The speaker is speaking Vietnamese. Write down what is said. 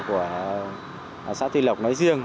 của xã tuy lộc nói riêng